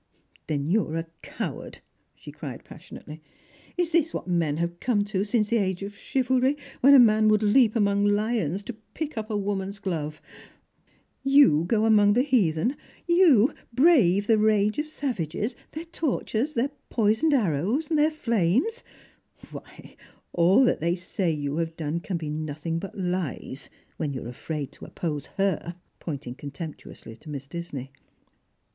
"Then you are a coward !" she cried passionately. "Is this what men have come to since the age of chivalry, when a man would leap among lions to pick up a woman's glove ? You go among the heathen ; you brave the rage of savages, their tor tures, their poisoned ai rows, their flames ! Why, all that they /lay you have done can be nothing but lies, when you are afraid to oppose her," pointing contemptuously to Miss Disney.